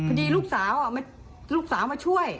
ลูกสาวลูกสาวมาช่วย